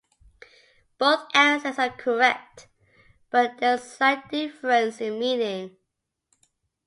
Both answers are correct, but there is a slight difference in meaning.